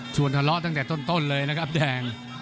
ทะเลาะตั้งแต่ต้นเลยนะครับแดง